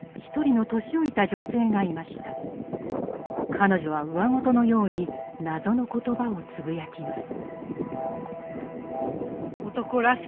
彼女はうわごとのように謎の言葉をつぶやきます。